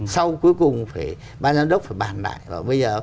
sau cuối cùng ba giám đốc phải bàn lại